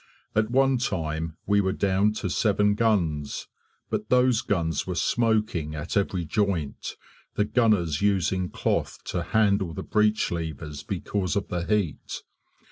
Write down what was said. At one time we were down to seven guns, but those guns were smoking at every joint, the gunners using cloth to handle the breech levers because of the heat.